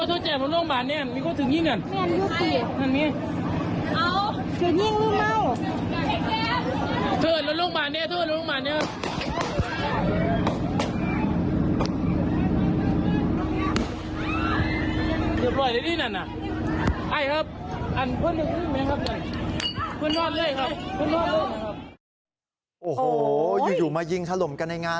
โอ้โหอยู่มายิงถล่มกันในงาน